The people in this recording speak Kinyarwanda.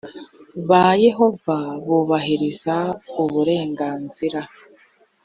ba yehova bubahiriza uburenganzira